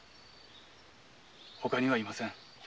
ほかにはいません。